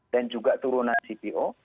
dan juga turunan cpo